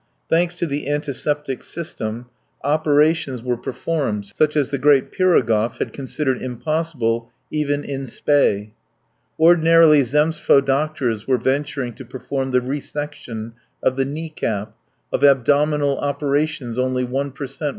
Thanks to the antiseptic system operations were performed such as the great Pirogov had considered impossible even in spe. Ordinary Zemstvo doctors were venturing to perform the resection of the kneecap; of abdominal operations only one per cent.